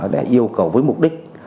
để yêu cầu với mục đích